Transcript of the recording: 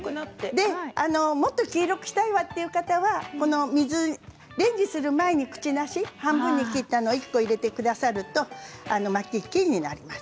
もっと黄色くしたいわという方はレンジをする前に半分に切った、くちなしを１個入れてくださるときれいになります。